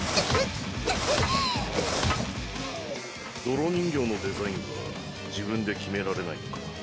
泥人形のデザインは自分で決められないのか？